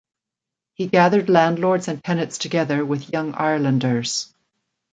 He gathered landlords and tenants together with Young Irelanders.